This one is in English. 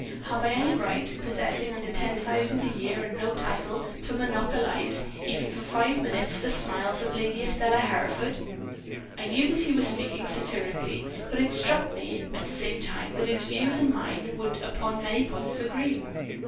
Have I any right, possessing under ten thousand a year and no title, to monopolize, even for five minutes, the smiles of Lady Estelle Hereford?' "I knew that he was speaking satirically, but it struck me, at the same time, that his views and mine would upon many points agree.